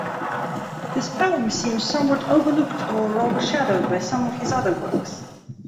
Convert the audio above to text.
This poem seems somewhat overlooked or overshadowed by some of his other works.